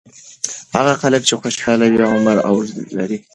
هغه خلک چې خوشاله وي، عمر اوږد لري.